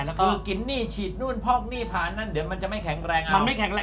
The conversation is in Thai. คือกินนี่ฉีดนู่นพอกนี่พานั่นเดี๋ยวมันจะไม่แข็งแรงอ่ะ